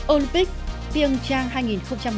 olympic tiêng trang hai nghìn một mươi tám